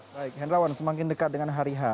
baik hendrawan semakin dekat dengan hari h